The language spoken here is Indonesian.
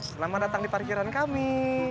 selamat datang di parkiran kami